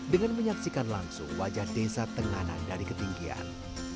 dengan menyaksikan langsung wajah desa tenganan dari ketinggian